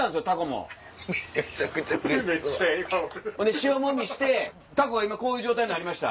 塩揉みしてタコが今こういう状態になりました。